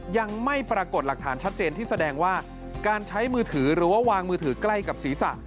ยังไม่ปรากฏหลักฐานชัดเจนที่แสดงว่าการใช้มือถือหรือว่าวางมือถือใกล้กับศีรษะ